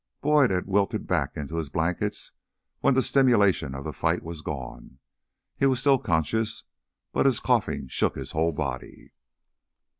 Boyd had wilted back into his blankets when the stimulation of the fight was gone. He was still conscious, but his coughing shook his whole body.